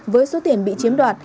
với số tiền bị chiếm đoạt